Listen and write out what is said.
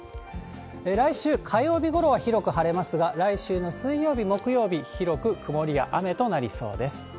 来週火曜日ごろは広く晴れますが、来週の水曜日、木曜日、広く曇りや雨となりそうです。